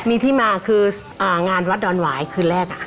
มีที่มาคืองานวัดดอนหวายคืนแรก